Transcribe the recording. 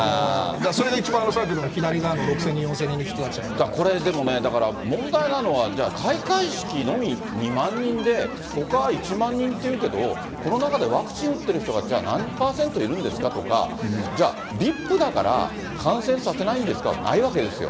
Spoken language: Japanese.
それが一番恐らく左側の６０００人、これ、でもね、問題なのは、開会式のみ２万人で、ほかは１万人っていうけど、この中でワクチン打ってる人がじゃあ、何％いるんですかとか、じゃあ、ＶＩＰだから感染させないんですかは、ないわけですよ。